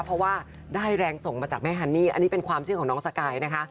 เพราะว่าได้แรงส่งมาจากแม่ฮันนี่อันนี้เป็นความเชื่อของน้องสกายนะคะ